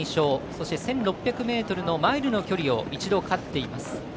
そして１６００ｍのマイルの距離を一度、勝っています。